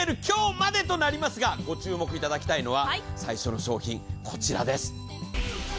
今日までとなりますがご注目頂きたいのは最初の商品こちらです。